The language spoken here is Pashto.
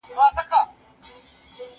زه بايد نان وخورم!.